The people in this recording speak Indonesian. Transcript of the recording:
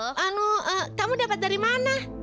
he eh anu kamu dapat dari mana